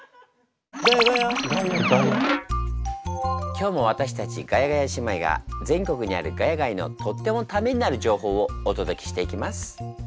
今日も私たちガヤガヤ姉妹が全国にある「ヶ谷街」のとってもタメになる情報をお届けしていきます。